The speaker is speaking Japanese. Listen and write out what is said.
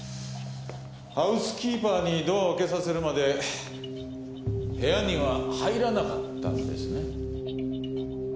ハウスキーパーにドアを開けさせるまで部屋には入らなかったんですね？